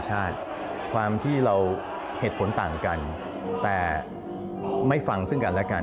เหตุผลต่างกันแต่ไม่ฟังซึ่งกันและกัน